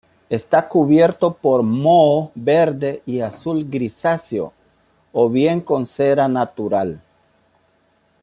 Está cubierto por moho verde y azul grisáceo, o bien con cera natural.